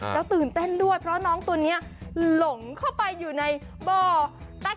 แล้วตื่นเต้นด้วยเพราะน้องตัวนี้หลงเข้าไปอยู่ในบ่อแต๊ก